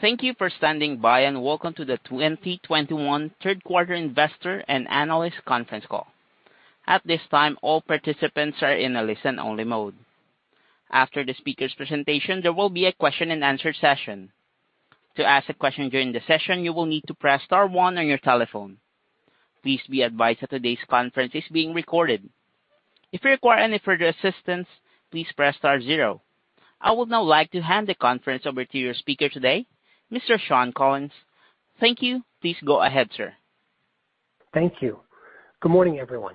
Thank you for standing by, and welcome to the 2021 Third Quarter Investor and Analyst Conference Call. At this time, all participants are in a listen-only mode. After the speaker's presentation, there will be a question-and-answer session. To ask a question during the session, you will need to press star one on your telephone. Please be advised that today's conference is being recorded. If you require any further assistance, please press star zero. I would now like to hand the conference over to your speaker today, Mr. Shawn Collins. Thank you. Please go ahead, sir. Thank you. Good morning, everyone.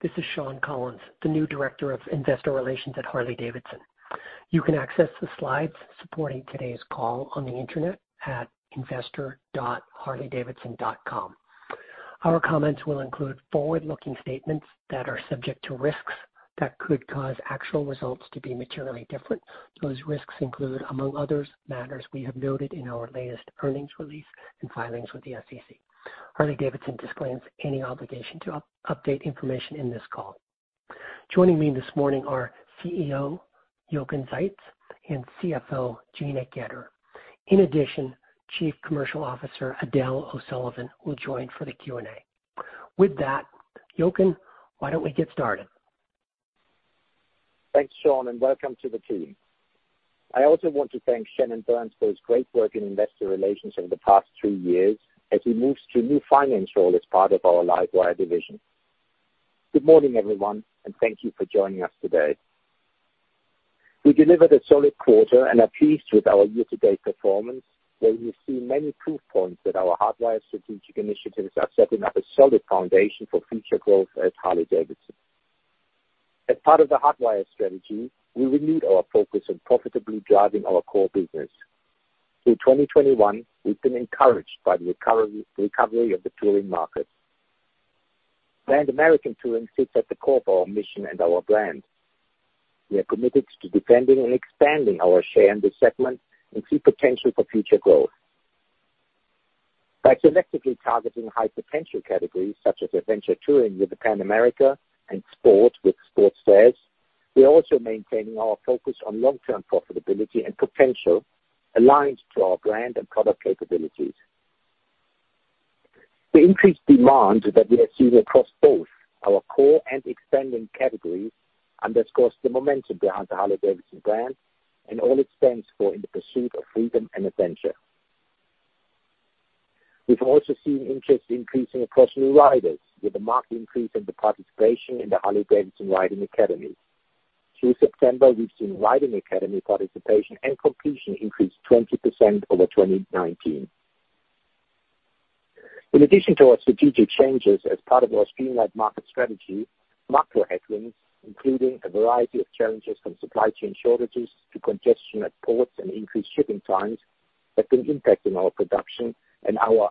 This is Shawn Collins, the new Director of Investor Relations at Harley-Davidson. You can access the slides supporting today's call on the Internet at investor.harleydavidson.com. Our comments will include forward-looking statements that are subject to risks that could cause actual results to be materially different. Those risks include, among others, matters we have noted in our latest earnings release and filings with the SEC. Harley-Davidson disclaims any obligation to update information in this call. Joining me this morning are CEO Jochen Zeitz and CFO Gina Goetter. In addition, Chief Commercial Officer Edel O'Sullivan will join for the Q&A. With that, Jochen, why don't we get started? Thanks, Shawn, and welcome to the team. I also want to thank Shannon Burns for his great work in investor relations over the past three years as he moves to a new finance role as part of our LiveWire division. Good morning, everyone, and thank you for joining us today. We delivered a solid quarter and are pleased with our year-to-date performance, where we've seen many proof points that our Hardwire strategic initiatives are setting up a solid foundation for future growth at Harley-Davidson. As part of the Hardwire strategy, we renewed our focus on profitably driving our core business. Through 2021, we've been encouraged by the recovery of the touring market. Grand American Touring sits at the core of our mission and our brand. We are committed to defending and expanding our share in this segment and see potential for future growth. By selectively targeting high-potential categories such as adventure touring with the Pan America and sport with Sportster, we are also maintaining our focus on long-term profitability and potential aligned to our brand and product capabilities. The increased demand that we are seeing across both our core and expanding categories underscores the momentum behind the Harley-Davidson brand and all it stands for in the pursuit of freedom and adventure. We've also seen interest increasing across new riders with a marked increase in the participation in the Harley-Davidson Riding Academy. Through September, we've seen Riding Academy participation and completion increase 20% over 2019. In addition to our strategic changes as part of our streamlined market strategy, macro headwinds, including a variety of challenges from supply chain shortages to congestion at ports and increased shipping times, have been impacting our production and our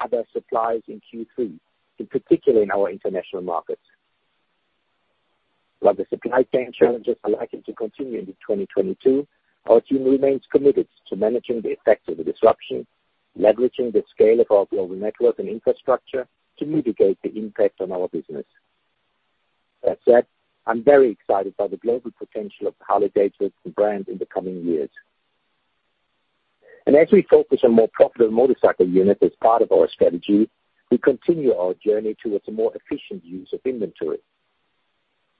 other suppliers in Q3, in particular in our international markets. While the supply chain challenges are likely to continue into 2022, our team remains committed to managing the effects of the disruption, leveraging the scale of our global network and infrastructure to mitigate the impact on our business. That said, I'm very excited by the global potential of the Harley-Davidson brand in the coming years. As we focus on more profitable motorcycle units as part of our strategy, we continue our journey towards a more efficient use of inventory.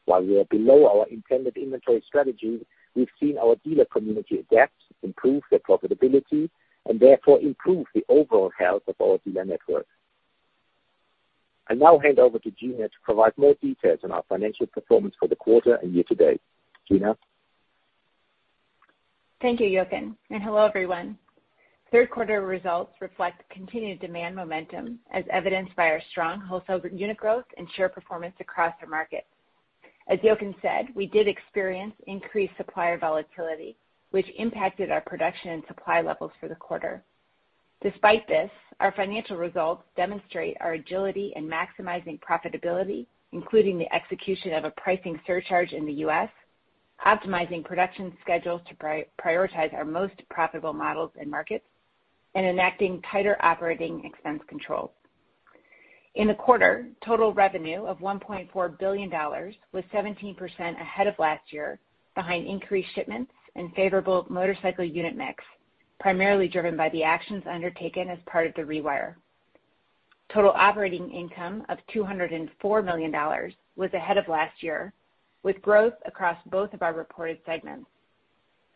While we are below our intended inventory strategy, we've seen our dealer community adapt, improve their profitability, and therefore improve the overall health of our dealer network. I now hand over to Gina to provide more details on our financial performance for the quarter and year-to-date. Gina. Thank you, Jochen, and hello, everyone. Third quarter results reflect continued demand momentum as evidenced by our strong wholesale unit growth and share performance across the market. As Jochen said, we did experience increased supplier volatility, which impacted our production and supply levels for the quarter. Despite this, our financial results demonstrate our agility in maximizing profitability, including the execution of a pricing surcharge in the U.S., optimizing production schedules to prioritize our most profitable models and markets, and enacting tighter operating expense controls. In the quarter, total revenue of $1.4 billion was 17% ahead of last year behind increased shipments and favorable motorcycle unit mix, primarily driven by the actions undertaken as part of The Rewire. Total operating income of $204 million was ahead of last year, with growth across both of our reported segments.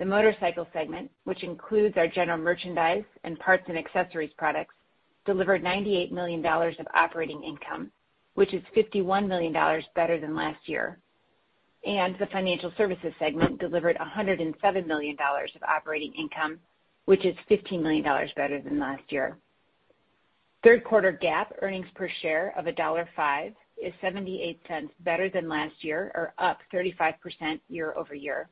The motorcycle segment, which includes our general merchandise and parts and accessories products, delivered $98 million of operating income, which is $51 million better than last year. The financial services segment delivered $107 million of operating income, which is $15 million better than last year. Third quarter GAAP earnings per share of $1.05 is $0.78 better than last year or up 35% year-over-year.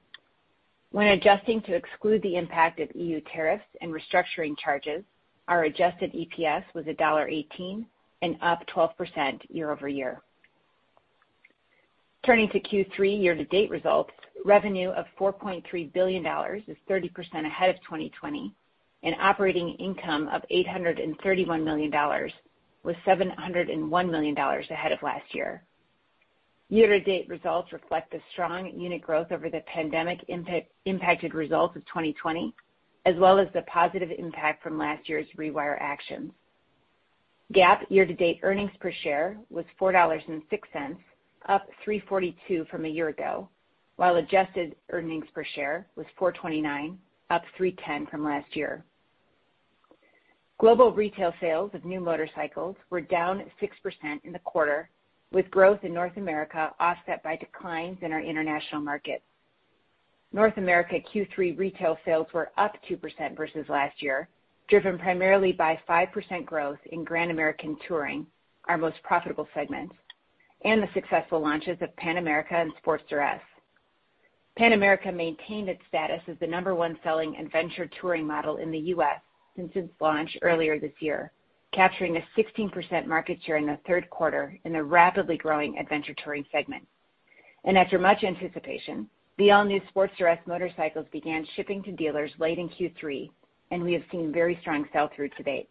When adjusting to exclude the impact of EU tariffs and restructuring charges, our Adjusted EPS was $1.18 and up 12% year-over-year. Turning to Q3 year-to-date results, revenue of $4.3 billion is 30% ahead of 2020, and operating income of $831 million was $701 million ahead of last year. Year-to-date results reflect the strong unit growth over the pandemic impacted results of 2020, as well as the positive impact from last year's Rewire actions. GAAP year-to-date earnings per share was $4.06, up $3.42 from a year ago, while adjusted earnings per share was $4.29, up $3.10 from last year. Global retail sales of new motorcycles were down 6% in the quarter, with growth in North America offset by declines in our international markets. North America Q3 retail sales were up 2% versus last year, driven primarily by 5% growth in Grand American Touring, our most profitable segment, and the successful launches of Pan America and Sportster S. Pan America maintained its status as the number one selling adventure touring model in the U.S. since its launch earlier this year, capturing a 16% market share in the third quarter in the rapidly growing adventure touring segment. After much anticipation, the all-new Sportster S motorcycles began shipping to dealers late in Q3, and we have seen very strong sell-through to date.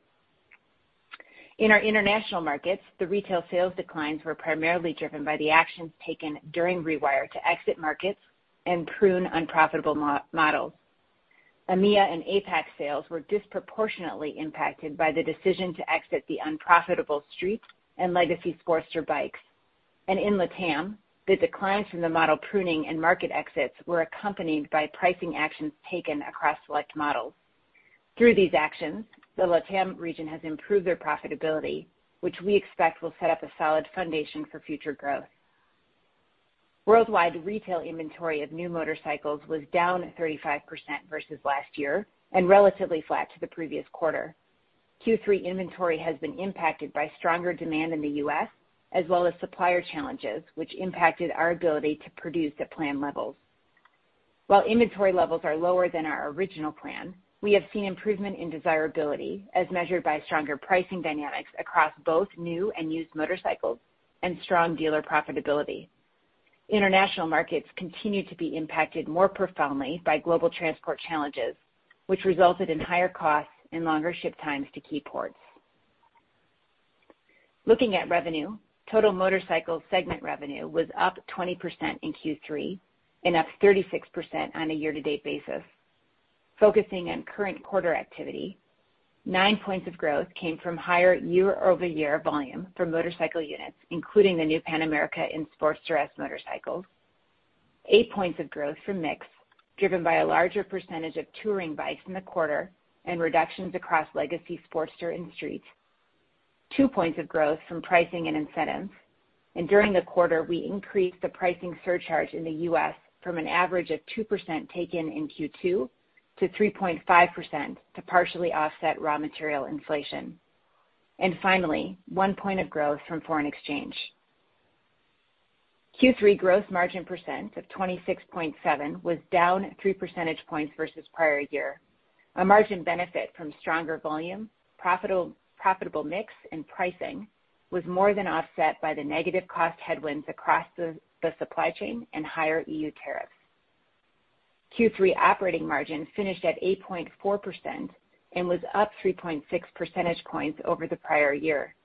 In our international markets, the retail sales declines were primarily driven by the actions taken during Rewire to exit markets and prune unprofitable models. EMEA and APAC sales were disproportionately impacted by the decision to exit the unprofitable Street and legacy Sportster bikes. In LATAM, the declines from the model pruning and market exits were accompanied by pricing actions taken across select models. Through these actions, the LATAM region has improved their profitability, which we expect will set up a solid foundation for future growth. Worldwide retail inventory of new motorcycles was down 35% versus last year and relatively flat to the previous quarter. Q3 inventory has been impacted by stronger demand in the U.S., as well as supplier challenges, which impacted our ability to produce at plan levels. While inventory levels are lower than our original plan, we have seen improvement in desirability as measured by stronger pricing dynamics across both new and used motorcycles and strong dealer profitability. International markets continue to be impacted more profoundly by global transport challenges, which resulted in higher costs and longer ship times to key ports. Looking at revenue, total motorcycle segment revenue was up 20% in Q3 and up 36% on a year-to-date basis. Focusing on current quarter activity, 9 points of growth came from higher year-over-year volume for motorcycle units, including the new Pan America and Sportster S motorcycles. 8 points of growth from mix, driven by a larger percentage of touring bikes in the quarter and reductions across legacy Sportster and Street. 2 points of growth from pricing and incentives, and during the quarter, we increased the pricing surcharge in the U.S. from an average of 2% taken in Q2 to 3.5% to partially offset raw material inflation. Finally, 1 point of growth from foreign exchange. Q3 gross margin percent of 26.7% was down 3 percentage points versus prior year. A margin benefit from stronger volume, profitable mix, and pricing was more than offset by the negative cost headwinds across the supply chain and higher EU tariffs. Q3 operating margin finished at 8.4% and was up 3.6 percentage points over the prior year.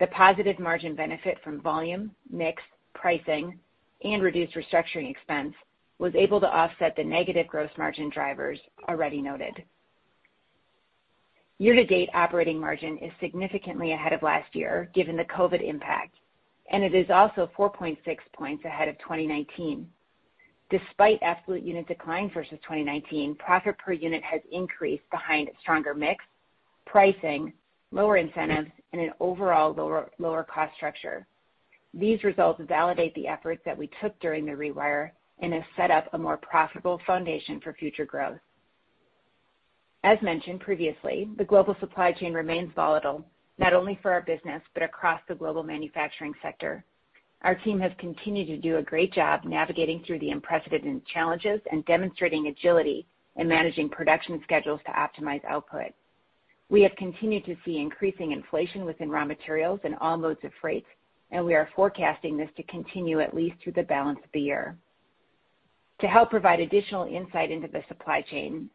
The positive margin benefit from volume, mix, pricing, and reduced restructuring expense was able to offset the negative gross margin drivers already noted. Year-to-date operating margin is significantly ahead of last year, given the COVID impact, and it is also 4.6 points ahead of 2019. Despite absolute unit decline versus 2019, profit per unit has increased behind stronger mix, pricing, lower incentives, and an overall lower cost structure. These results validate the efforts that we took during The Rewire and have set up a more profitable foundation for future growth. As mentioned previously, the global supply chain remains volatile, not only for our business, but across the global manufacturing sector. Our team has continued to do a great job navigating through the unprecedented challenges and demonstrating agility in managing production schedules to optimize output. We have continued to see increasing inflation within raw materials and on loads of freight, and we are forecasting this to continue at least through the balance of the year. To help provide additional insight into the supply chain,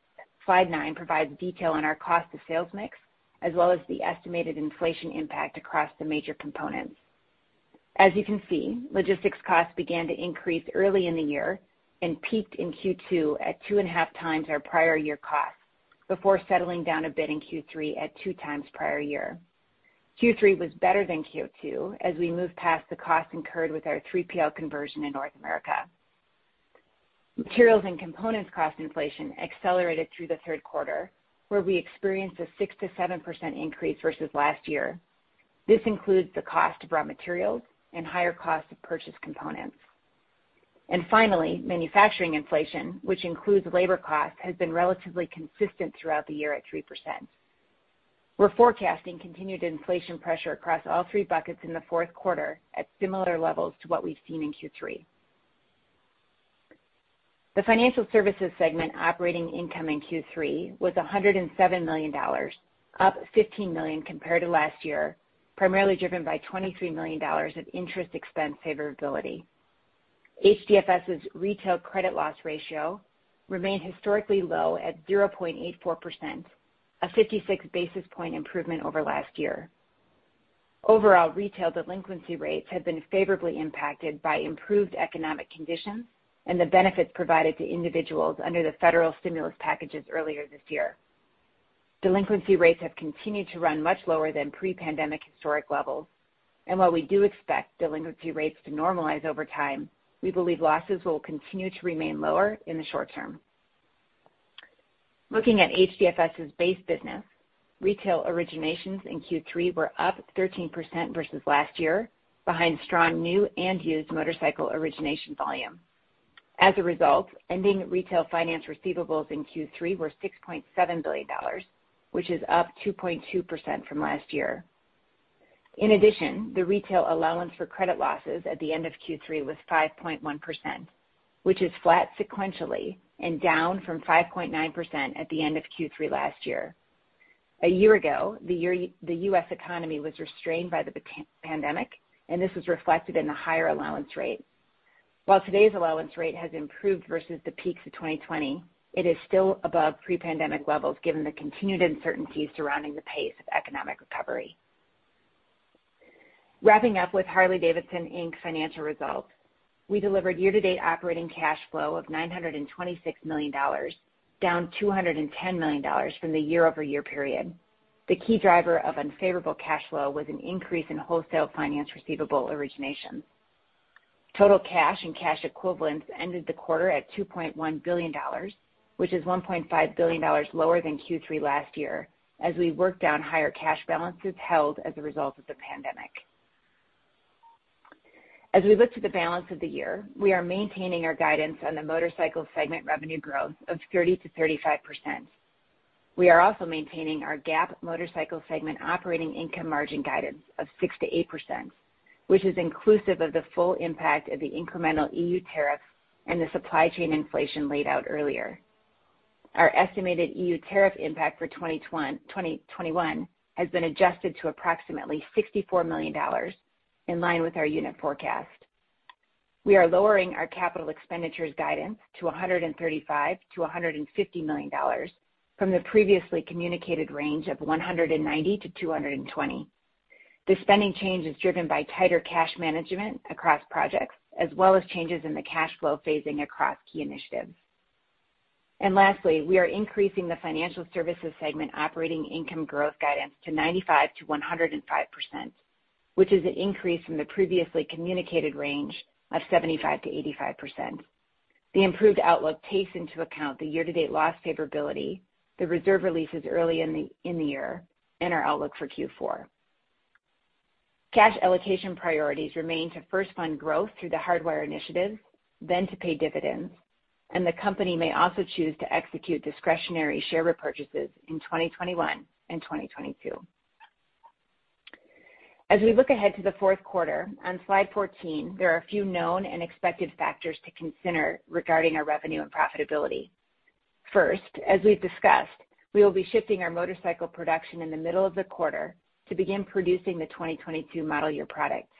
slide nine provides detail on our cost of sales mix, as well as the estimated inflation impact across the major components. As you can see, logistics costs began to increase early in the year and peaked in Q2 at 2.5x our prior year costs before settling down a bit in Q3 at 2x prior year. Q3 was better than Q2 as we moved past the costs incurred with our 3PL conversion in North America. Materials and components cost inflation accelerated through the third quarter, where we experienced a 6%-7% increase versus last year. This includes the cost of raw materials and higher costs of purchased components. Finally, manufacturing inflation, which includes labor costs, has been relatively consistent throughout the year at 3%. We're forecasting continued inflation pressure across all three buckets in the fourth quarter at similar levels to what we've seen in Q3. The financial services segment operating income in Q3 was $107 million, up $15 million compared to last year, primarily driven by $23 million of interest expense favorability. HDFS's retail credit loss ratio remained historically low at 0.84%, a 56 basis point improvement over last year. Overall, retail delinquency rates have been favorably impacted by improved economic conditions and the benefits provided to individuals under the federal stimulus packages earlier this year. Delinquency rates have continued to run much lower than pre-pandemic historic levels. While we do expect delinquency rates to normalize over time, we believe losses will continue to remain lower in the short term. Looking at HDFS's base business, retail originations in Q3 were up 13% versus last year, behind strong new and used motorcycle origination volume. As a result, ending retail finance receivables in Q3 were $6.7 billion, which is up 2.2% from last year. In addition, the retail allowance for credit losses at the end of Q3 was 5.1%, which is flat sequentially and down from 5.9% at the end of Q3 last year. A year ago, the U.S. economy was restrained by the pandemic, and this was reflected in the higher allowance rate. While today's allowance rate has improved versus the peaks of 2020, it is still above pre-pandemic levels given the continued uncertainties surrounding the pace of economic recovery. Wrapping up with Harley-Davidson Inc. financial results, we delivered year-to-date operating cash flow of $926 million, down $210 million from the year-over-year period. The key driver of unfavorable cash flow was an increase in wholesale finance receivable origination. Total cash and cash equivalents ended the quarter at $2.1 billion, which is $1.5 billion lower than Q3 last year as we worked down higher cash balances held as a result of the pandemic. As we look to the balance of the year, we are maintaining our guidance on the motorcycle segment revenue growth of 30%-35%. We are also maintaining our GAAP motorcycle segment operating income margin guidance of 6%-8%, which is inclusive of the full impact of the incremental EU tariff and the supply chain inflation laid out earlier. Our estimated EU tariff impact for 2021 has been adjusted to approximately $64 million in line with our unit forecast. We are lowering our capital expenditures guidance to $135 million-$150 million from the previously communicated range of $190 million-$220 million. The spending change is driven by tighter cash management across projects, as well as changes in the cash flow phasing across key initiatives. Lastly, we are increasing the financial services segment operating income growth guidance to 95%-105%, which is an increase from the previously communicated range of 75%-85%. The improved outlook takes into account the year-to-date loss favorability, the reserve releases early in the year, and our outlook for Q4. Cash allocation priorities remain to first fund growth through the Hardwire initiatives, then to pay dividends, and the company may also choose to execute discretionary share repurchases in 2021 and 2022. As we look ahead to the fourth quarter, on slide 14, there are a few known and expected factors to consider regarding our revenue and profitability. First, as we've discussed, we will be shifting our motorcycle production in the middle of the quarter to begin producing the 2022 model year products.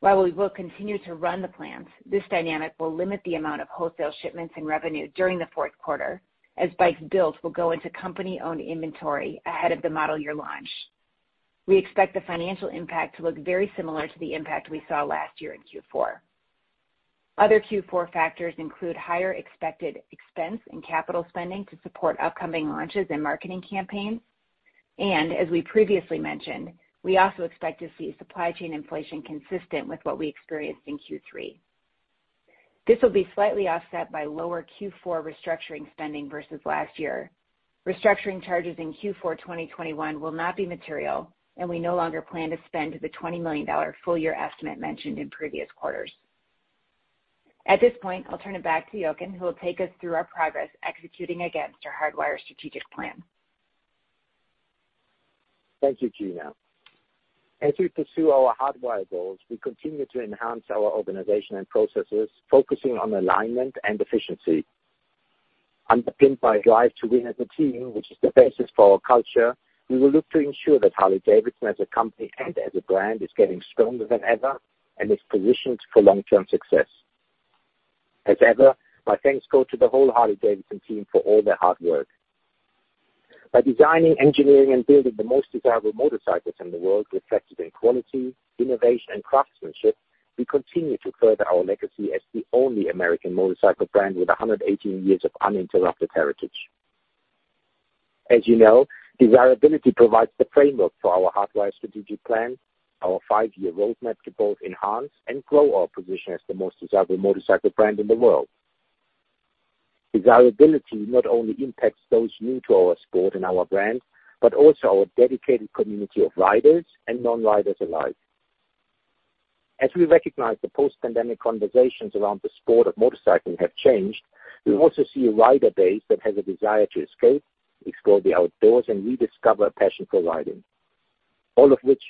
While we will continue to run the plants, this dynamic will limit the amount of wholesale shipments and revenue during the fourth quarter, as bikes built will go into company-owned inventory ahead of the model year launch. We expect the financial impact to look very similar to the impact we saw last year in Q4. Other Q4 factors include higher expected expense and capital spending to support upcoming launches and marketing campaigns. As we previously mentioned, we also expect to see supply chain inflation consistent with what we experienced in Q3. This will be slightly offset by lower Q4 restructuring spending versus last year. Restructuring charges in Q4 2021 will not be material, and we no longer plan to spend the $20 million full year estimate mentioned in previous quarters. At this point, I'll turn it back to Jochen, who will take us through our progress executing against our Hardwire strategic plan. Thank you, Gina. As we pursue our Hardwire goals, we continue to enhance our organization and processes, focusing on alignment and efficiency. Underpinned by Drive to Win as a Team, which is the basis for our culture, we will look to ensure that Harley-Davidson, as a company and as a brand, is getting stronger than ever and is positioned for long-term success. As ever, my thanks go to the whole Harley-Davidson team for all their hard work. By designing, engineering, and building the most desirable motorcycles in the world, reflected in quality, innovation, and craftsmanship, we continue to further our legacy as the only American motorcycle brand with 118 years of uninterrupted heritage. As you know, desirability provides the framework for our Hardwire strategic plan, our five-year roadmap to both enhance and grow our position as the most desirable motorcycle brand in the world. Desirability not only impacts those new to our sport and our brand, but also our dedicated community of riders and non-riders alike. As we recognize the post-pandemic conversations around the sport of motorcycling have changed, we also see a rider base that has a desire to escape, explore the outdoors, and rediscover a passion for riding, all of which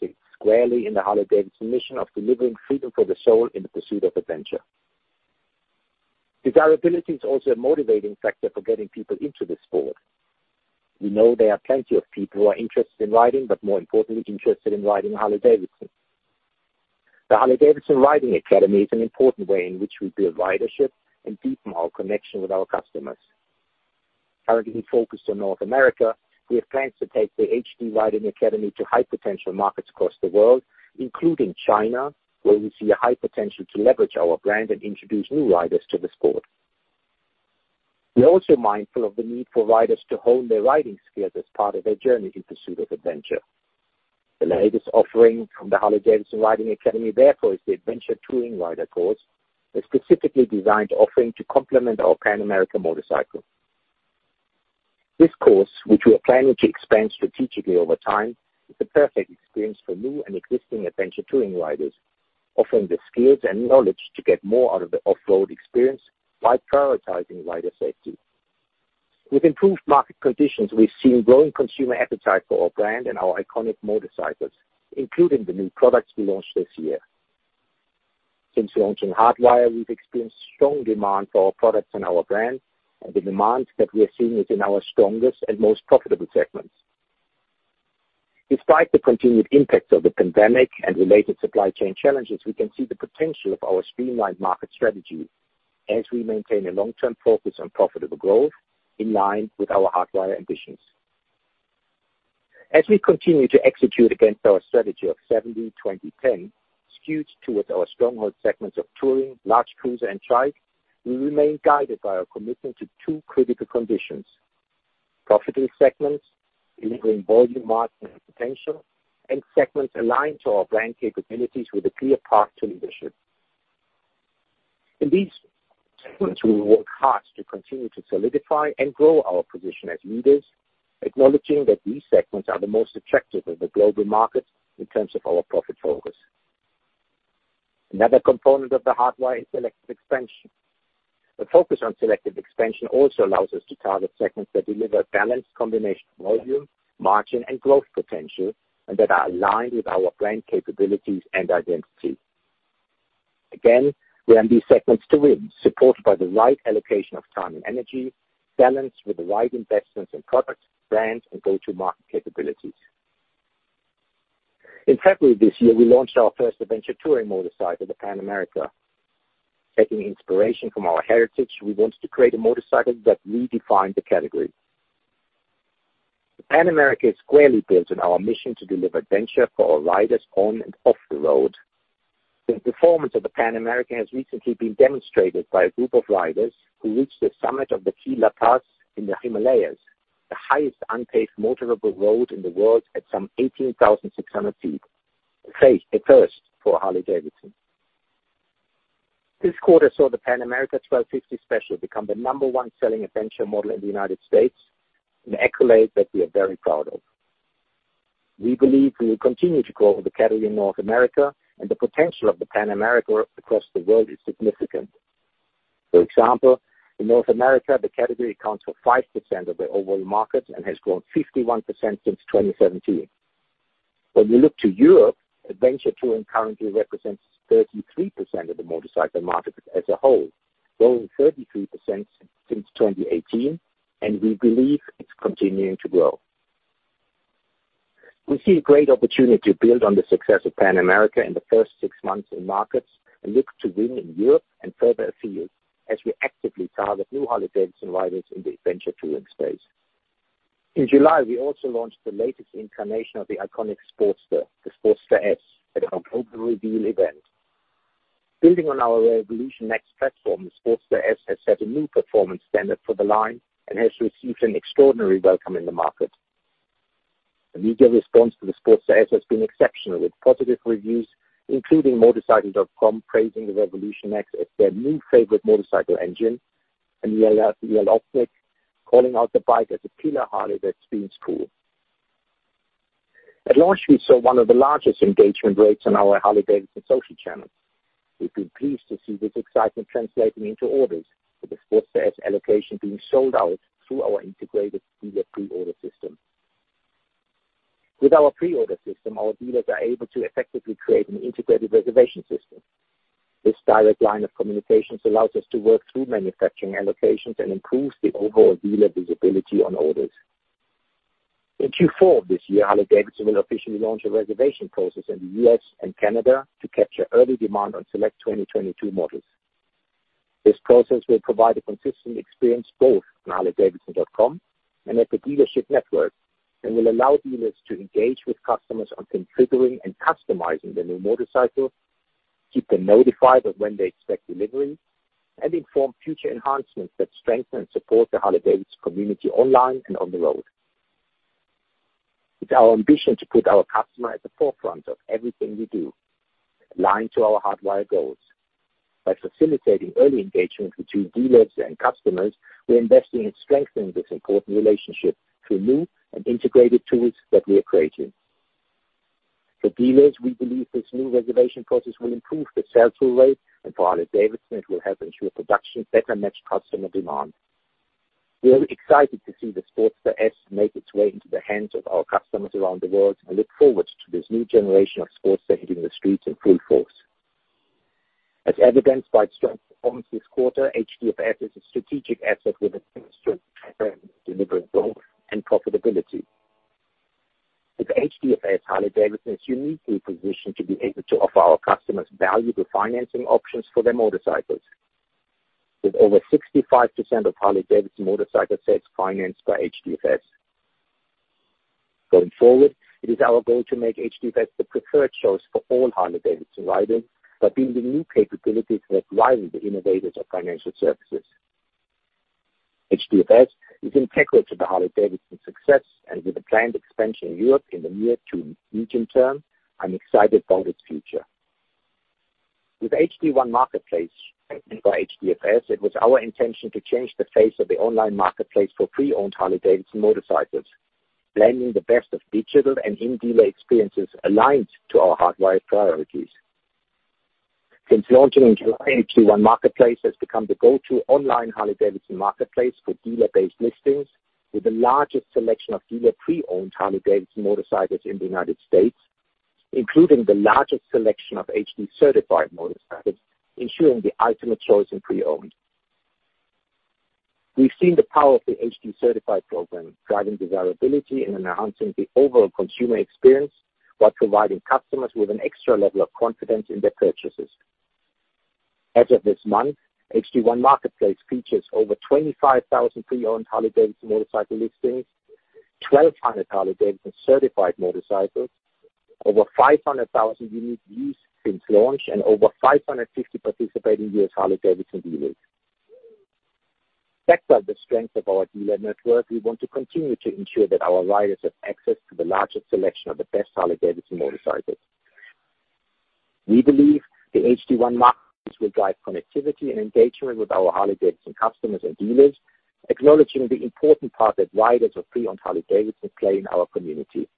sits squarely in the Harley-Davidson mission of delivering freedom for the soul in the pursuit of adventure. Desirability is also a motivating factor for getting people into this sport. We know there are plenty of people who are interested in riding, but more importantly, interested in riding Harley-Davidson. The Harley-Davidson Riding Academy is an important way in which we build ridership and deepen our connection with our customers. Currently, we focus on North America. We have plans to take the H-D Riding Academy to high potential markets across the world, including China, where we see a high potential to leverage our brand and introduce new riders to the sport. We are also mindful of the need for riders to hone their riding skills as part of their journey in pursuit of adventure. The latest offering from the Harley-Davidson Riding Academy, therefore, is the Adventure Touring Rider Course, a specifically designed offering to complement our Pan America motorcycle. This course, which we are planning to expand strategically over time, is the perfect experience for new and existing adventure touring riders, offering the skills and knowledge to get more out of the off-road experience while prioritizing rider safety. With improved market conditions, we've seen growing consumer appetite for our brand and our iconic motorcycles, including the new products we launched this year. Since launching Hardwire, we've experienced strong demand for our products and our brand, and the demand that we are seeing is in our strongest and most profitable segments. Despite the continued impacts of the pandemic and related supply chain challenges, we can see the potential of our streamlined market strategy as we maintain a long-term focus on profitable growth in line with our Hardwire ambitions. As we continue to execute against our strategy of 70/20/10, skewed towards our stronghold segments of touring, large cruiser, and trike, we remain guided by our commitment to two critical conditions. Profitable segments delivering volume, margin, and potential, and segments aligned to our brand capabilities with a clear path to leadership. In these segments, we will work hard to continue to solidify and grow our position as leaders, acknowledging that these segments are the most attractive in the global market in terms of our profit focus. Another component of The Hardwire is selective expansion. The focus on selective expansion also allows us to target segments that deliver balanced combination of volume, margin, and growth potential, and that are aligned with our brand capabilities and identity. Again, we are in these segments to win, supported by the right allocation of time and energy, balanced with the right investments in product, brand, and go-to-market capabilities. In February this year, we launched our first adventure touring motorcycle, the Pan America. Taking inspiration from our heritage, we wanted to create a motorcycle that redefined the category. The Pan America is squarely built on our mission to deliver adventure for our riders on and off the road. The performance of the Pan America has recently been demonstrated by a group of riders who reached the summit of the Kela Pass in the Himalayas, the highest unpaved motorable road in the world at some 18,600 feet. A first for Harley-Davidson. This quarter saw the Pan America 1250 Special become the number one selling adventure model in the United States, an accolade that we are very proud of. We believe we will continue to grow the category in North America, and the potential of the Pan America across the world is significant. For example, in North America, the category accounts for 5% of the overall market and has grown 51% since 2017. When we look to Europe, adventure touring currently represents 33% of the motorcycle market as a whole, growing 33% since 2018, and we believe it's continuing to grow. We see a great opportunity to build on the success of Pan America in the first six months in markets and look to win in Europe and further afield, as we actively target new Harley-Davidson riders in the adventure touring space. In July, we also launched the latest incarnation of the iconic Sportster, the Sportster S, at our global reveal event. Building on our Revolution Max platform, the Sportster S has set a new performance standard for the line and has received an extraordinary welcome in the market. The media response to the Sportster S has been exceptional, with positive reviews, including motorcycle.com praising the Revolution Max as their new favorite motorcycle engine, and the Los Angeles Times calling out the bike as a pillar Harley that spins cool. At launch, we saw one of the largest engagement rates on our Harley-Davidson social channels. We've been pleased to see this excitement translating into orders, with the Sportster S allocation being sold out through our integrated dealer pre-order system. With our pre-order system, our dealers are able to effectively create an integrated reservation system. This direct line of communications allows us to work through manufacturing allocations and improves the overall dealer visibility on orders. In Q4 of this year, Harley-Davidson will officially launch a reservation process in the U.S. and Canada to capture early demand on select 2022 models. This process will provide a consistent experience both on harley-davidson.com and at the dealership network, and will allow dealers to engage with customers on configuring and customizing their new motorcycle, keep them notified of when they expect delivery, and inform future enhancements that strengthen and support the Harley-Davidson community online and on the road. It's our ambition to put our customer at the forefront of everything we do, aligned to our Hardwire goals. By facilitating early engagement between dealers and customers, we're investing in strengthening this important relationship through new and integrated tools that we are creating. For dealers, we believe this new reservation process will improve the sell-through rate, and for Harley-Davidson, it will help ensure production better match customer demand. We are excited to see the Sportster S make its way into the hands of our customers around the world, and look forward to this new generation of Sportster hitting the streets in full force. As evidenced by its strong performance this quarter, HDFS is a strategic asset with a strong track record of delivering growth and profitability. With HDFS, Harley-Davidson is uniquely positioned to be able to offer our customers valuable financing options for their motorcycles. With over 65% of Harley-Davidson motorcycle sales financed by HDFS. Going forward, it is our goal to make HDFS the preferred choice for all Harley-Davidson riders by building new capabilities that widen the innovations of financial services. HDFS is integral to the Harley-Davidson success, and with a planned expansion in Europe in the near to medium term, I'm excited about its future. With H-D1 Marketplace backed by HDFS, it was our intention to change the face of the online marketplace for pre-owned Harley-Davidson motorcycles, blending the best of digital and in-dealer experiences aligned to our Hardwire priorities. Since launching in July, H-D1 Marketplace has become the go-to online Harley-Davidson marketplace for dealer-based listings, with the largest selection of dealer pre-owned Harley-Davidson motorcycles in the United States, including the largest selection of H-D Certified motorcycles, ensuring the ultimate choice in pre-owned. We've seen the power of the H-D Certified program driving desirability and enhancing the overall consumer experience while providing customers with an extra level of confidence in their purchases. As of this month, H-D1 Marketplace features over 25,000 pre-owned Harley-Davidson motorcycle listings, 1,200 H-D Certified motorcycles, over 500,000 unique views since launch, and over 550 participating U.S. Harley-Davidson dealers. Backed by the strength of our dealer network, we want to continue to ensure that our riders have access to the largest selection of the best Harley-Davidson motorcycles. We believe the H-D1 Marketplace will drive connectivity and engagement with our Harley-Davidson customers and dealers, acknowledging the important part that riders of pre-owned Harley-Davidson play in our community.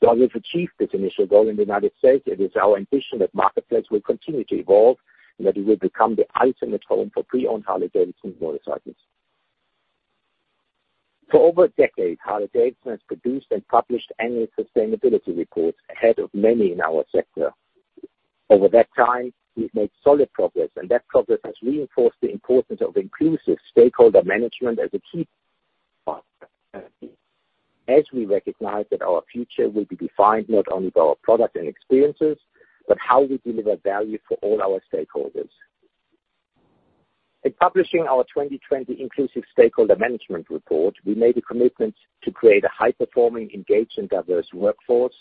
While we've achieved this initial goal in the United States, it is our ambition that Marketplace will continue to evolve and that it will become the ultimate home for pre-owned Harley-Davidson motorcycles. For over a decade, Harley-Davidson has produced and published annual sustainability reports ahead of many in our sector. Over that time, we've made solid progress, and that progress has reinforced the importance of Inclusive Stakeholder Management Report as a key part of our strategy. We recognize that our future will be defined not only by our product and experiences, but how we deliver value for all our stakeholders. In publishing our 2020 Inclusive Stakeholder Management Report, we made a commitment to create a high-performing, engaged, and diverse workforce,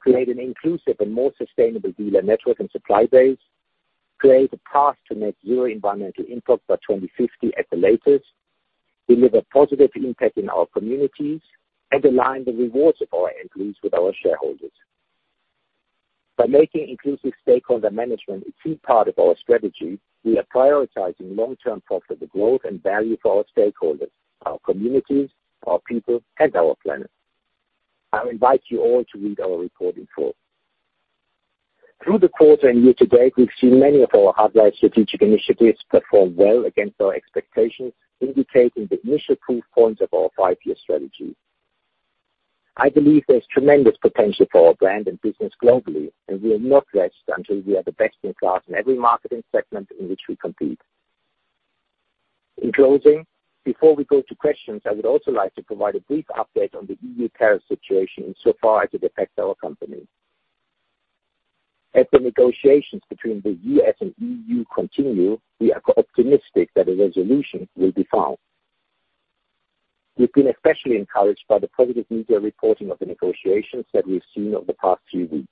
create an inclusive and more sustainable dealer network and supply base, create a path to net zero environmental impact by 2050 at the latest, deliver positive impact in our communities, and align the rewards of our employees with our shareholders. By making inclusive stakeholder management a key part of our strategy, we are prioritizing long-term profitable growth and value for our stakeholders, our communities, our people, and our planet. I invite you all to read our report in full. Through the quarter and year-to-date, we've seen many of our Hardwire strategic initiatives perform well against our expectations, indicating the initial proof points of our five-year strategy. I believe there's tremendous potential for our brand and business globally, and we will not rest until we are the best in class in every market and segment in which we compete. In closing, before we go to questions, I would also like to provide a brief update on the EU tariff situation insofar as it affects our company. As the negotiations between the U.S. and EU continue, we are optimistic that a resolution will be found. We've been especially encouraged by the positive media reporting of the negotiations that we've seen over the past few weeks.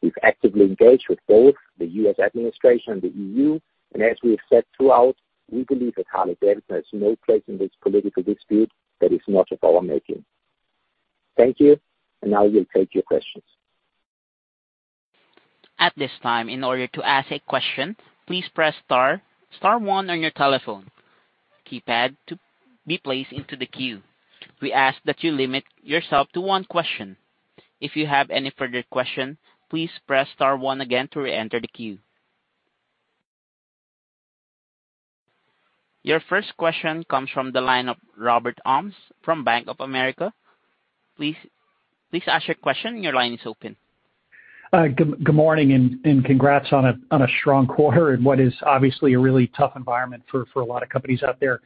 We've actively engaged with both the U.S. administration and the EU, and as we have said throughout, we believe that Harley-Davidson has no place in this political dispute that is not of our making. Thank you. Now we'll take your questions. At this time, in order to ask a question, please press star one on your telephone keypad to be placed into the queue. We ask that you limit yourself to one question. If you have any further question, please press star one again to reenter the queue. Your first question comes from the line of Robert Ohmes from Bank of America. Please ask your question. Your line is open. Good morning and congrats on a strong quarter in what is obviously a really tough environment for a lot of companies out there.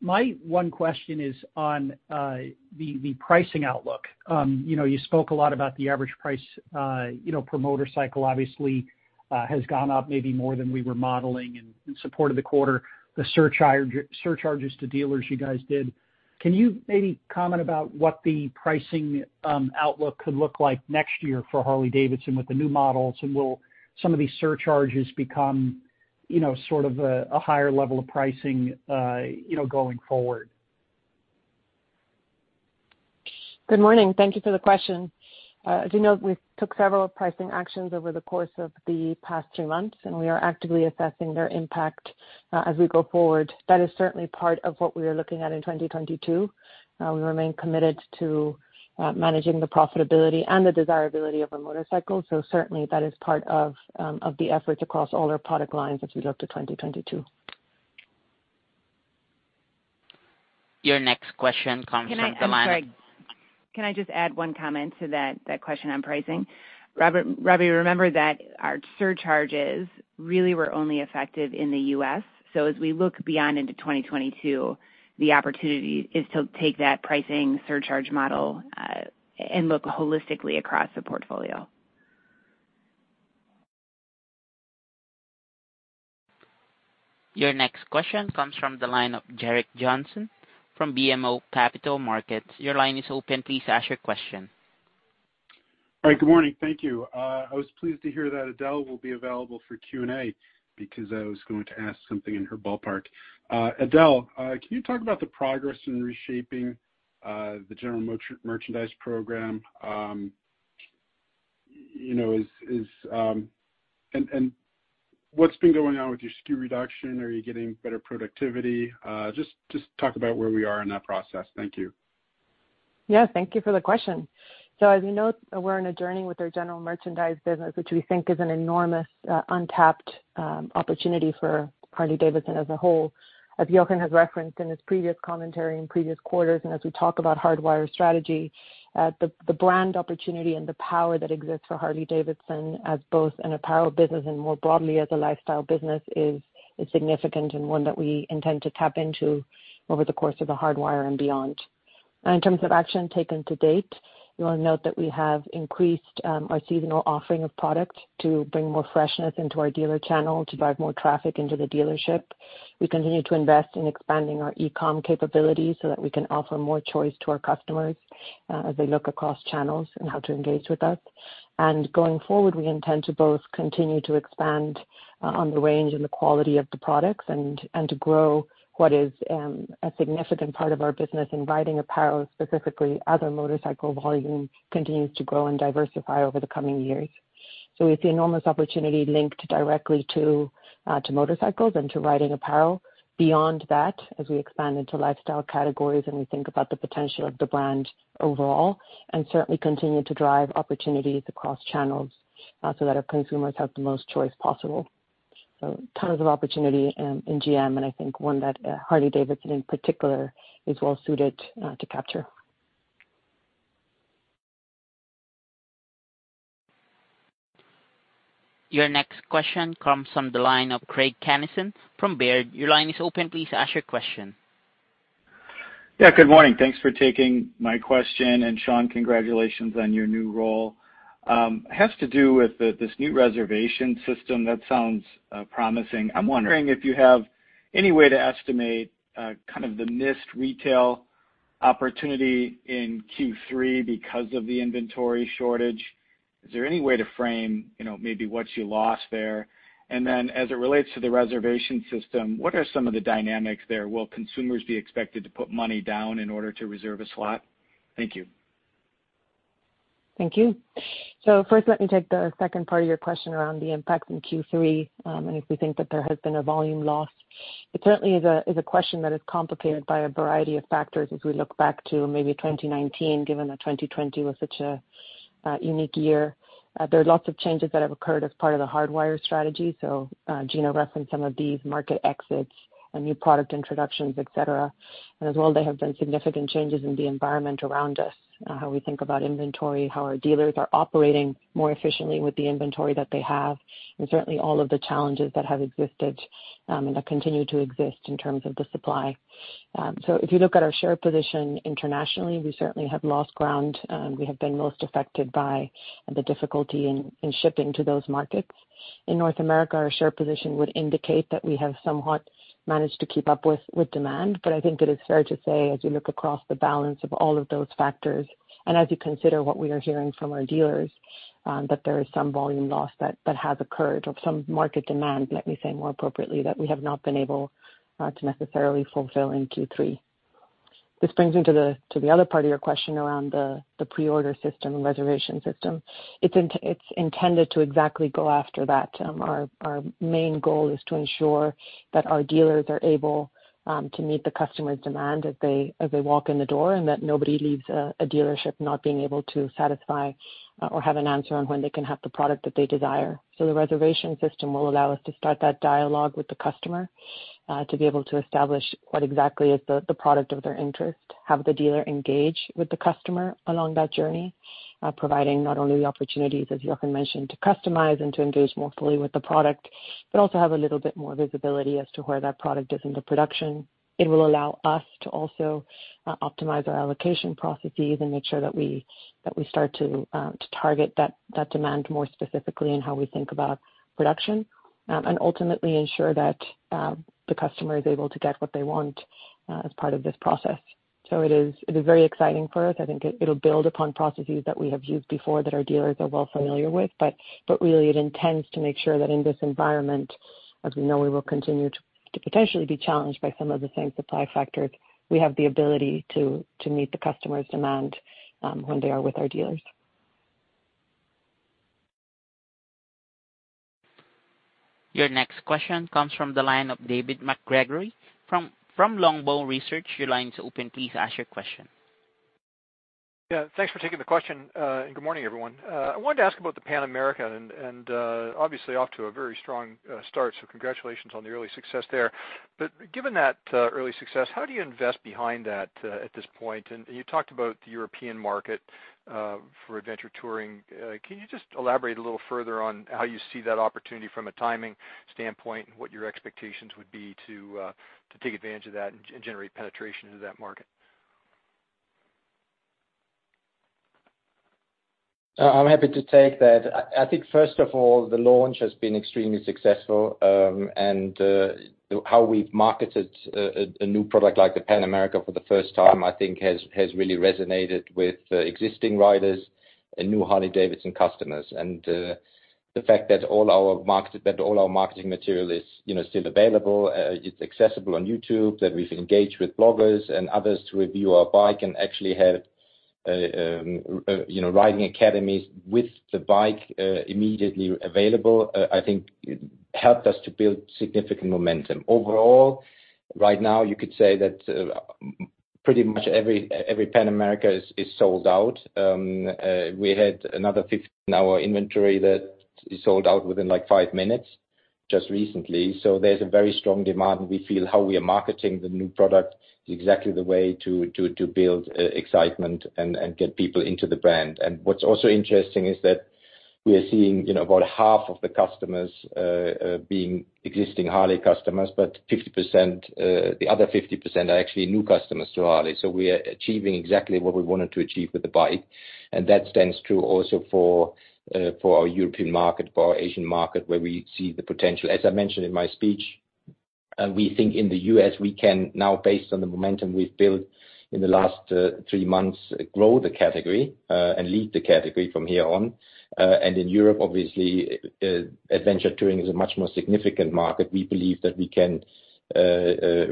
My one question is on the pricing outlook. You know, you spoke a lot about the average price, you know, per motorcycle, obviously, has gone up maybe more than we were modeling in support of the quarter, the surcharges to dealers you guys did. Can you maybe comment about what the pricing outlook could look like next year for Harley-Davidson with the new models? Will some of these surcharges become, you know, sort of a higher level of pricing, you know, going forward? Good morning. Thank you for the question. As you know, we took several pricing actions over the course of the past three months, and we are actively assessing their impact as we go forward. That is certainly part of what we are looking at in 2022. We remain committed to managing the profitability and the desirability of our motorcycles. Certainly that is part of the efforts across all our product lines as we look to 2022. Your next question comes from the line of I'm sorry. Can I just add one comment to that question on pricing? Robert, Robbie, remember that our surcharges really were only effective in the U.S. As we look beyond into 2022, the opportunity is to take that pricing surcharge model and look holistically across the portfolio. Your next question comes from the line of Gerrick Johnson from BMO Capital Markets. Your line is open. Please ask your question. All right. Good morning. Thank you. I was pleased to hear that Edel will be available for Q&A because I was going to ask something in her ballpark. Edel, can you talk about the progress in reshaping the general merchandise program? And what's been going on with your SKU reduction? Are you getting better productivity? Just talk about where we are in that process. Thank you. Yeah. Thank you for the question. As you note, we're in a journey with our general merchandise business, which we think is an enormous untapped opportunity for Harley-Davidson as a whole. As Jochen has referenced in his previous commentary in previous quarters, and as we talk about Hardwire strategy, the brand opportunity and the power that exists for Harley-Davidson as both an apparel business and more broadly as a lifestyle business is significant and one that we intend to tap into over the course of the Hardwire and beyond. In terms of action taken to date, you'll note that we have increased our seasonal offering of products to bring more freshness into our dealer channel, to drive more traffic into the dealership. We continue to invest in expanding our e-com capabilities so that we can offer more choice to our customers, as they look across channels and how to engage with us. Going forward, we intend to both continue to expand on the range and the quality of the products and to grow what is a significant part of our business in riding apparel, specifically as our motorcycle volume continues to grow and diversify over the coming years. We see enormous opportunity linked directly to motorcycles and to riding apparel. Beyond that, as we expand into lifestyle categories and we think about the potential of the brand overall, and certainly continue to drive opportunities across channels, so that our consumers have the most choice possible. Tons of opportunity in GM, and I think one that Harley-Davidson in particular is well suited to capture. Your next question comes from the line of Craig Kennison from Baird. Your line is open. Please ask your question. Yeah, good morning. Thanks for taking my question, and Shawn, congratulations on your new role. It has to do with this new reservation system that sounds promising. I'm wondering if you have any way to estimate kind of the missed retail opportunity in Q3 because of the inventory shortage. Is there any way to frame, you know, maybe what you lost there? As it relates to the reservation system, what are some of the dynamics there? Will consumers be expected to put money down in order to reserve a slot? Thank you. Thank you. First, let me take the second part of your question around the impact in Q3, and if we think that there has been a volume loss. It certainly is a question that is complicated by a variety of factors as we look back to maybe 2019, given that 2020 was such a unique year. There are lots of changes that have occurred as part of The Hardwire strategy. Gina referenced some of these market exits and new product introductions, et cetera. As well, there have been significant changes in the environment around us, how we think about inventory, how our dealers are operating more efficiently with the inventory that they have, and certainly all of the challenges that have existed, and that continue to exist in terms of the supply. If you look at our share position internationally, we certainly have lost ground. We have been most affected by the difficulty in shipping to those markets. In North America, our share position would indicate that we have somewhat managed to keep up with demand. I think it is fair to say, as you look across the balance of all of those factors and as you consider what we are hearing from our dealers, that there is some volume loss that has occurred or some market demand, let me say more appropriately, that we have not been able to necessarily fulfill in Q3. This brings me to the other part of your question around the pre-order system and reservation system. It's intended to exactly go after that. Our main goal is to ensure that our dealers are able to meet the customer's demand as they walk in the door, and that nobody leaves a dealership not being able to satisfy or have an answer on when they can have the product that they desire. The reservation system will allow us to start that dialogue with the customer to be able to establish what exactly is the product of their interest, have the dealer engage with the customer along that journey, providing not only the opportunities, as Jochen mentioned, to customize and to engage more fully with the product, but also have a little bit more visibility as to where that product is in the production. It will allow us to also optimize our allocation processes and make sure that we start to target that demand more specifically in how we think about production, and ultimately ensure that the customer is able to get what they want as part of this process. It is very exciting for us. I think it'll build upon processes that we have used before that our dealers are well familiar with. Really, it intends to make sure that in this environment, as we know we will continue to potentially be challenged by some of the same supply factors, we have the ability to meet the customer's demand when they are with our dealers. Your next question comes from the line of David MacGregor from Longbow Research. Your line is open. Please ask your question. Yeah, thanks for taking the question. Good morning, everyone. I wanted to ask about the Pan America and obviously off to a very strong start, so congratulations on the early success there. Given that early success, how do you invest behind that at this point? You talked about the European market for adventure touring. Can you just elaborate a little further on how you see that opportunity from a timing standpoint and what your expectations would be to take advantage of that and generate penetration into that market? I'm happy to take that. I think first of all, the launch has been extremely successful, and how we've marketed a new product like the Pan America for the first time, I think has really resonated with existing riders and new Harley-Davidson customers. The fact that all our marketing material is, you know, still available, it's accessible on youtube, that we've engaged with bloggers and others to review our bike and actually have, you know, riding academies with the bike, immediately available, I think helped us to build significant momentum. Overall, right now, you could say that pretty much every Pan America is sold out. We had another fifth in our inventory that is sold out within like five minutes just recently. There's a very strong demand. We feel how we are marketing the new product is exactly the way to build excitement and get people into the brand. What's also interesting is that we are seeing about half of the customers being existing Harley customers, but 50%, the other 50% are actually new customers to Harley. We are achieving exactly what we wanted to achieve with the bike. That stands true also for our European market, for our Asian market, where we see the potential. As I mentioned in my speech, we think in the U.S., we can now, based on the momentum we've built in the last three months, grow the category and lead the category from here on. In Europe, obviously, adventure touring is a much more significant market. We believe that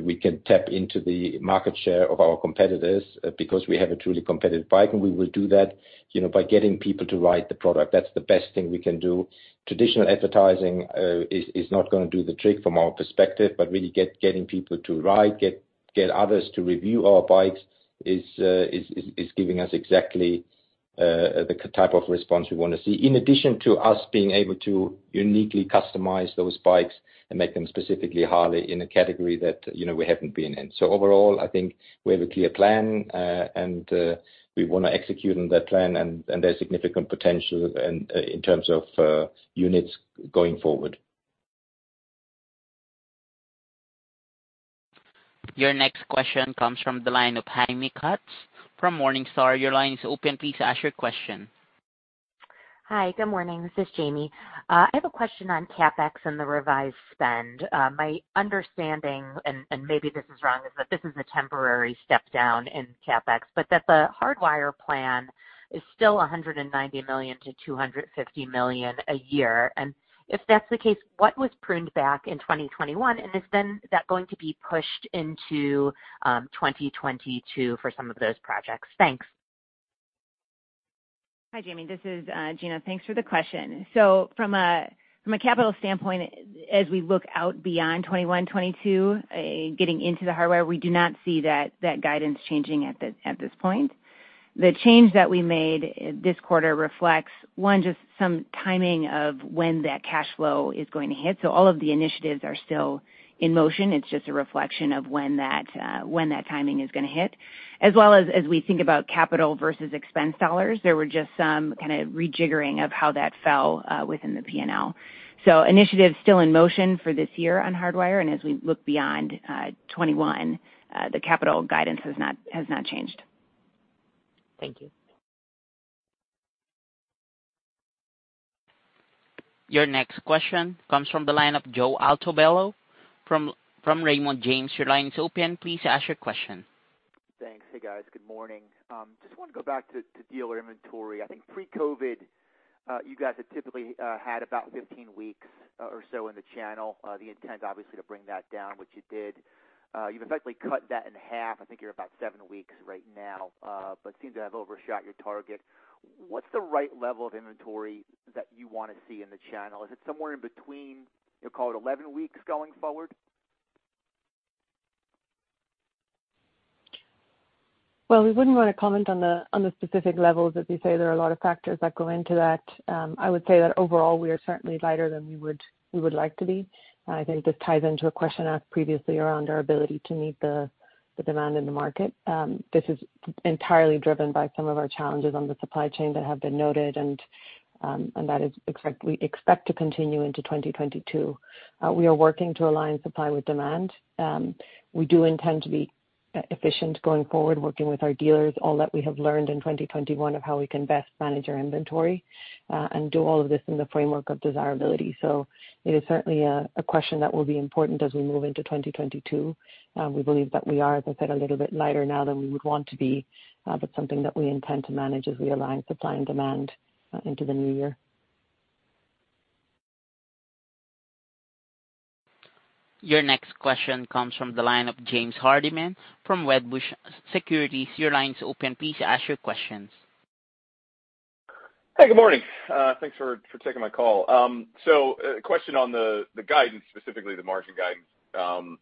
we can tap into the market share of our competitors because we have a truly competitive bike, and we will do that, you know, by getting people to ride the product. That's the best thing we can do. Traditional advertising is not gonna do the trick from our perspective, but really getting people to ride, get others to review our bikes is giving us exactly the type of response we wanna see. In addition to us being able to uniquely customize those bikes and make them specifically Harley in a category that, you know, we haven't been in. Overall, I think we have a clear plan, and we wanna execute on that plan, and there's significant potential and in terms of units going forward. Your next question comes from the line of Jaime Katz from Morningstar. Your line is open. Please ask your question. Hi, good morning. This is Jaime. I have a question on CapEx and the revised spend. My understanding, and maybe this is wrong, is that this is a temporary step-down in CapEx, but that the Hardwire plan is still $190 million-$250 million a year. If that's the case, what was pruned back in 2021? Is then that going to be pushed into 2022 for some of those projects? Thanks. Hi, Jaime. This is Gina. Thanks for the question. From a capital standpoint, as we look out beyond 2021, 2022, getting into the Hardwire, we do not see that guidance changing at this point. The change that we made this quarter reflects, one, just some timing of when that cash flow is going to hit. All of the initiatives are still in motion. It's just a reflection of when that timing is gonna hit. As well as we think about capital versus expense dollars, there were just some kinda rejiggering of how that fell within the P&L. Initiatives still in motion for this year on Hardwire, and as we look beyond 2021, the capital guidance has not changed. Thank you. Your next question comes from the line of Joe Altobello from Raymond James. Your line is open. Please ask your question. Thanks. Hey, guys. Good morning. Just wanna go back to dealer inventory. I think pre-COVID, you guys had typically had about 15 weeks or so in the channel. The intent obviously was to bring that down, which you did. You've effectively cut that in half. I think you're about seven weeks right now, but you seem to have overshot your target. What's the right level of inventory that you wanna see in the channel? Is it somewhere in between, you know, call it 11 weeks going forward? Well, we wouldn't wanna comment on the specific levels. As you say, there are a lot of factors that go into that. I would say that overall, we are certainly lighter than we would like to be. I think this ties into a question asked previously around our ability to meet the demand in the market. This is entirely driven by some of our challenges on the supply chain that have been noted and that we expect to continue into 2022. We are working to align supply with demand. We do intend to be efficient going forward, working with our dealers, all that we have learned in 2021 of how we can best manage our inventory and do all of this in the framework of desirability. It is certainly a question that will be important as we move into 2022. We believe that we are, as I said, a little bit lighter now than we would want to be, but something that we intend to manage as we align supply and demand into the new year. Your next question comes from the line of James Hardiman from Wedbush Securities. Your line's open. Please ask your question. Hey, good morning. Thanks for taking my call. So, a question on the guidance, specifically the margin guidance.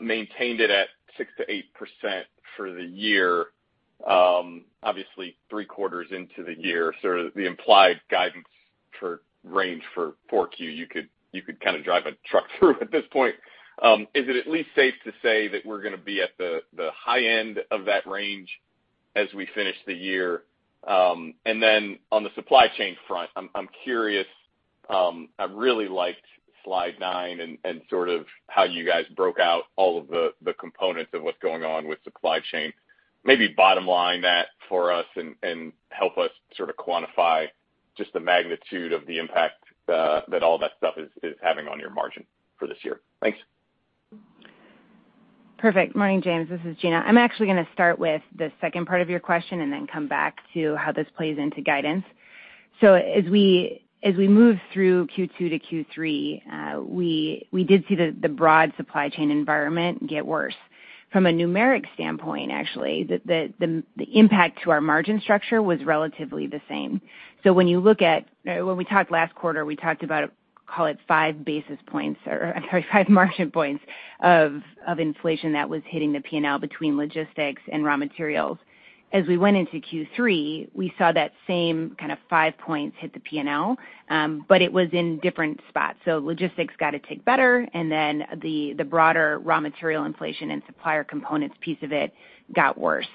Maintained it at 6%-8% for the year. Obviously three quarters into the year, sort of the implied guidance for range for 4Q, you could kinda drive a truck through at this point. Is it at least safe to say that we're gonna be at the high end of that range as we finish the year? And then on the supply chain front, I'm curious. I really liked slide nine and sort of how you guys broke out all of the components of what's going on with supply chain. Maybe bottom line that for us and help us sort of quantify just the magnitude of the impact, that all that stuff is having on your margin for this year. Thanks. Perfect. Morning, James, this is Gina. I'm actually gonna start with the second part of your question and then come back to how this plays into guidance. As we move through Q2 to Q3, we did see the broad supply chain environment get worse. From a numeric standpoint, actually, the impact to our margin structure was relatively the same. When you look at, when we talked last quarter, we talked about, call it 5 basis points or 5 margin points of inflation that was hitting the P&L between logistics and raw materials. As we went into Q3, we saw that same kind of 5 points hit the P&L, but it was in different spots. Logistics got a tick better and then the broader raw material inflation and supplier components piece of it got worse.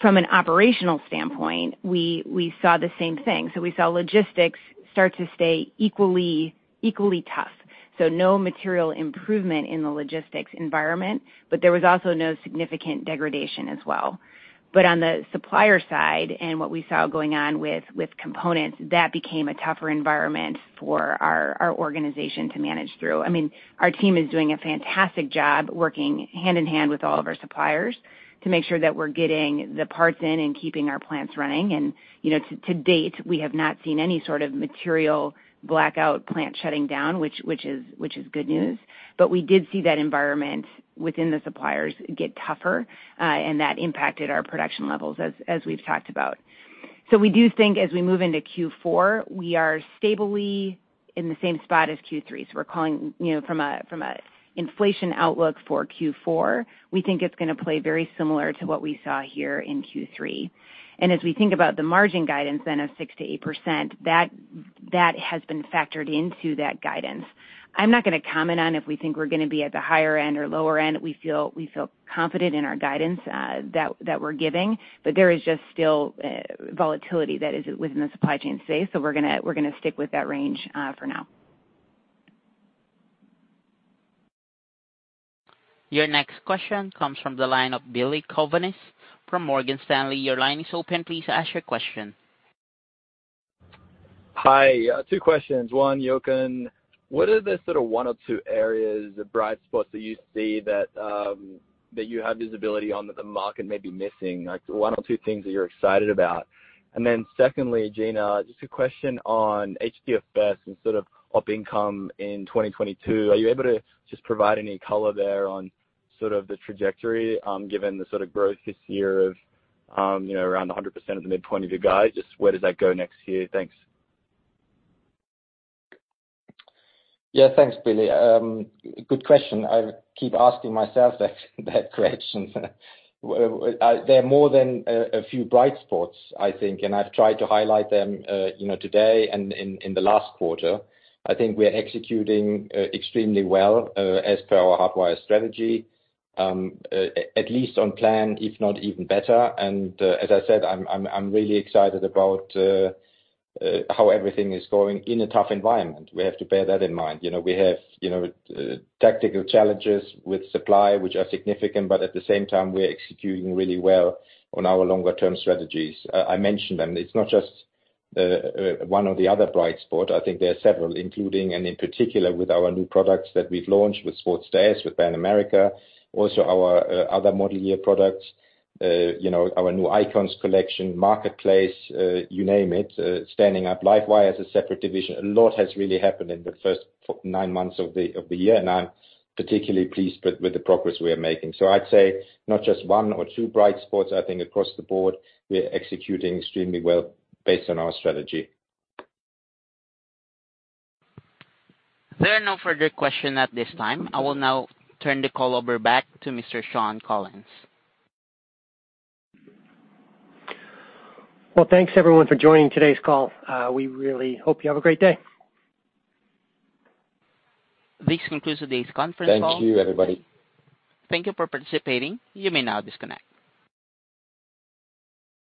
From an operational standpoint, we saw the same thing. We saw logistics start to stay equally tough. No material improvement in the logistics environment, but there was also no significant degradation as well. On the supplier side and what we saw going on with components, that became a tougher environment for our organization to manage through. I mean, our team is doing a fantastic job working hand-in-hand with all of our suppliers to make sure that we're getting the parts in and keeping our plants running. You know, to date, we have not seen any sort of material blackout plant shutting down, which is good news. We did see that environment within the suppliers get tougher, and that impacted our production levels as we've talked about. We do think as we move into Q4, we are stably in the same spot as Q3. We're calling, you know, from a inflation outlook for Q4, we think it's gonna play very similar to what we saw here in Q3. As we think about the margin guidance then of 6%-8%, that has been factored into that guidance. I'm not gonna comment on if we think we're gonna be at the higher end or lower end. We feel confident in our guidance that we're giving, but there is just still volatility that is within the supply chain today, so we're gonna stick with that range for now. Your next question comes from the line of Billy Kovanis from Morgan Stanley. Your line is open. Please ask your question. Hi. Two questions. One, Jochen, what are the sort of one or two areas, the bright spots that you see that you have visibility on that the market may be missing? Like one or two things that you're excited about. Secondly, Gina, just a question on HDFS and sort of operating income in 2022. Are you able to just provide any color there on sort of the trajectory, given the sort of growth this year of, you know, around 100% of the midpoint of your guide? Just where does that go next year? Thanks. Yeah. Thanks, Billy. Good question. I keep asking myself that question. There are more than a few bright spots, I think, and I've tried to highlight them, you know, today and in the last quarter. I think we are executing extremely well as per our Hardwire strategy at least on plan, if not even better. As I said, I'm really excited about how everything is going in a tough environment. We have to bear that in mind. You know, we have, you know, tactical challenges with supply which are significant, but at the same time, we're executing really well on our longer term strategies. I mentioned them. It's not just one or the other bright spot. I think there are several, including and in particular with our new products that we've launched with Sportster, with Bank of America, also our other model year products, you know, our new Icons collection, marketplace, you name it, standing up LiveWire as a separate division. A lot has really happened in the first nine months of the year, and I'm particularly pleased with the progress we are making. I'd say not just one or two bright spots, I think across the board, we're executing extremely well based on our strategy. There are no further questions at this time. I will now turn the call over to Mr. Shawn Collins. Well, thanks everyone for joining today's call. We really hope you have a great day. This concludes today's conference call. Thank you, everybody. Thank you for participating. You may now disconnect.